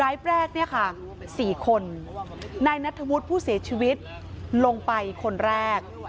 แรกเนี่ยค่ะ๔คนนายนัทธวุฒิผู้เสียชีวิตลงไปคนแรก